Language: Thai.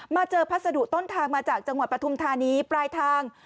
เจอพัสดุต้นทางมาจากจังหวัดปฐุมธานีปลายทาง